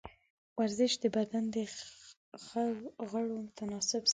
ورزش د بدن د غړو تناسب ساتي.